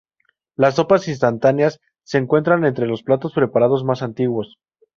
Las sopas instantáneas se encuentran entre los platos preparados más antiguos.